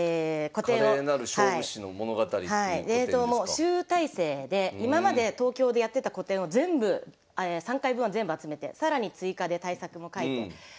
集大成で今まで東京でやってた個展を全部３回分を全部集めて更に追加で大作も描いて。